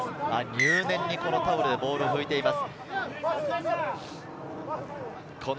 入念にタオルでボールをふいています。